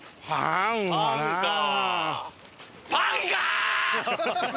パンか。